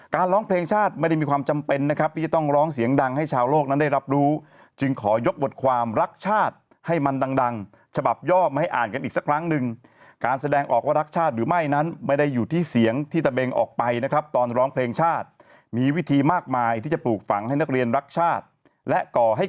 ร้องเพลงชาติไม่ได้มีความจำเป็นนะครับที่จะต้องร้องเสียงดังให้ชาวโลกนั้นได้รับรู้จึงขอยกบทความรักชาติให้มันดังฉบับย่อมาให้อ่านกันอีกสักครั้งหนึ่งการแสดงออกว่ารักชาติหรือไม่นั้นไม่ได้อยู่ที่เสียงที่ตะเบงออกไปนะครับตอนร้องเพลงชาติมีวิธีมากมายที่จะปลูกฝังให้นักเรียนรักชาติและก่อให้